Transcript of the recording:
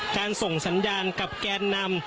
ส่งสัญญาณกับแกนนำ